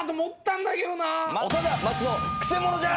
長田松尾くせ者じゃ！